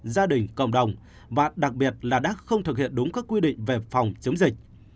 gia đình cộng đồng và đặc biệt là đã không thực hiện đúng các quy định về phòng chống dịch